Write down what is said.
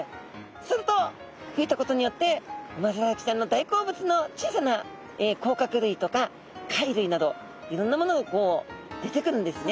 するとふいたことによってウマヅラハギちゃんの大好物の小さなこうかくるいとか貝るいなどいろんなものがこう出てくるんですね。